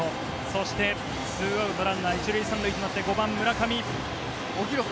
そして、２アウトランナー１塁３塁となって５番、村上。